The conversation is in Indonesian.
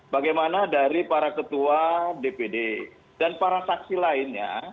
bagaimana dari para ketua dpd dan para saksi lainnya